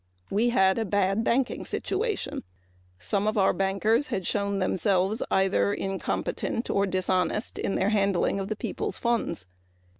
We had a bad banking situation. Some of our bankers had shown themselves either incompetent or dishonest in their handling of the people's funds.